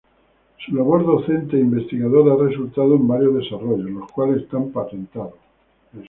Su labor docente e investigadora ha resultado en varios desarrollos, los cuales están patentados.